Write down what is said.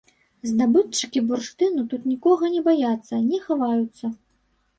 Здабытчыкі бурштыну тут нікога не баяцца, не хаваюцца.